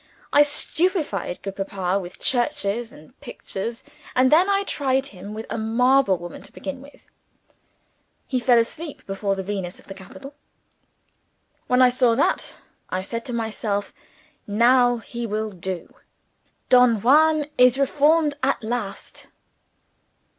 I stupefied good Papa with churches and pictures and then I tried him with a marble woman to begin with. He fell asleep before the Venus of the Capitol. When I saw that, I said to myself, Now he will do; Don Juan is reformed at last.